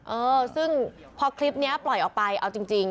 เออซึ่งพอคลิปนี้ปล่อยออกไปเอาจริง